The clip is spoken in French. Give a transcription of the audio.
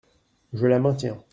Je la maintiens.